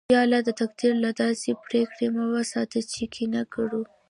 یا الله! د تقدیر له داسې پرېکړو مو وساتې چې د کینه گرو